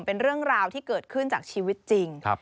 เป็นเรื่องราวที่เกิดขึ้นจากชีวิตจริง